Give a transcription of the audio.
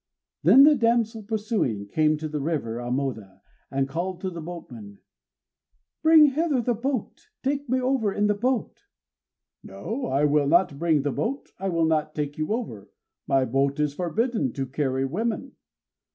Then the damsel, pursuing, came to the river of Amoda and called to the boatman, "Bring hither the boat! take me over in the boat!" "No, I will not bring the boat; I will not take you over: my boat is forbidden to carry women!